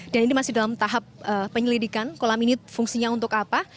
dan ini masih dalam tahap penyelidikan kolam ini fungsinya untuk apa